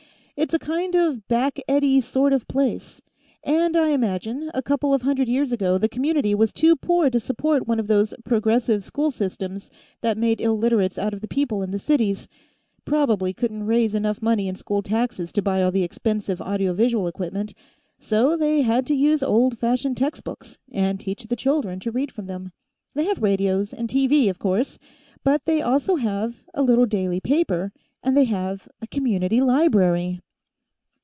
"It's a kind of back eddy sort of place, and I imagine, a couple of hundred years ago, the community was too poor to support one of these 'progressive' school systems that made Illiterates out of the people in the cities. Probably couldn't raise enough money in school taxes to buy all the expensive audio visual equipment, so they had to use old fashioned textbooks, and teach the children to read from them. They have radios, and TV, of course, but they also have a little daily paper, and they have a community library."